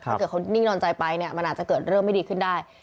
ถ้าเกิดเขานิ่งนอนใจไปเนี่ยมันอาจจะเกิดเรื่องไม่ดีขึ้นได้